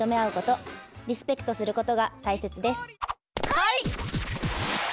はい！